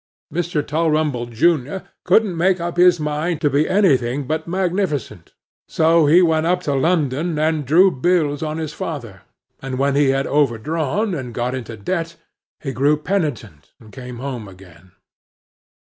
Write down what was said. Mr. Tulrumble, junior, couldn't make up his mind to be anything but magnificent, so he went up to London and drew bills on his father; and when he had overdrawn, and got into debt, he grew penitent, and came home again.